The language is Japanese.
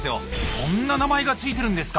そんな名前が付いてるんですか！